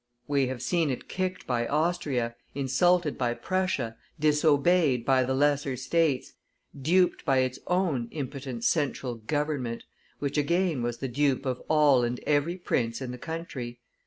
We have seen it kicked by Austria, insulted by Prussia, disobeyed by the lesser States, duped by its own impotent Central "Government," which again was the dupe of all and every prince in the country.